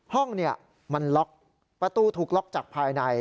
ห้องมันล็อกประตูถูกล็อกจากภายใน